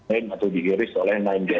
atau diiris oleh sembilan gas lain dari cina